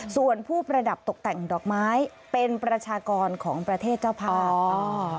ส่วนผู้ประดับตกแต่งดอกไม้เป็นประชากรของประเทศเจ้าภาพ